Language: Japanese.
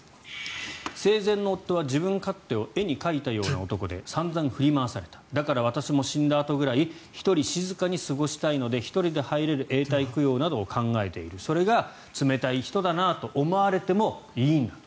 生前の夫は自分勝手を絵に描いたような男でさんざん振り回されただから私も死んだあとくらい１人静かに過ごしたいので１人では入れる永代供養などを考えているそれが冷たい人だなと思われてもいいんだと。